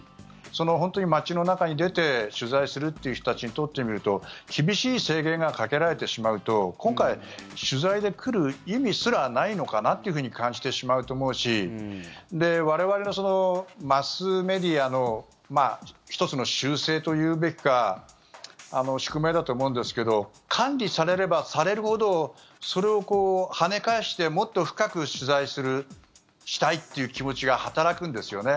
本当に街の中に出て取材するっていう人たちにとってみると厳しい制限がかけられてしまうと今回、取材で来る意味すらないのかなっていうふうに感じてしまうと思うし我々、マスメディアの１つの習性というべきか宿命だと思うんですけど管理されればされるほどそれを跳ね返してもっと深く取材するしたいっていう気持ちが働くんですよね。